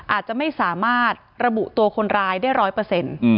อาจจะไม่สามารถระบุตัวคนร้ายได้ร้อยเปอร์เซ็นต์